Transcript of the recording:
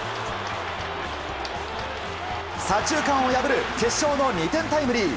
左中間を破る決勝の２点タイムリー。